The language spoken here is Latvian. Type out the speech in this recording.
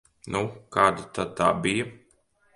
Nu, kāda tad tā bija?